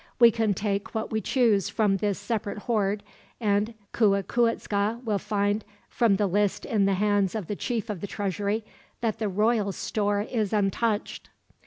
We can take what we choose from this separate hoard, and Cuicuitzca will find, from the list in the hands of the chief of the treasury, that the royal store is untouched."